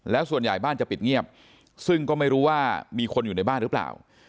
แล้วส่วนใหญ่บ้านจะปิดเงียบซึ่งก็ไม่รู้ว่ามีคนอยู่ในบ้านหรือเปล่า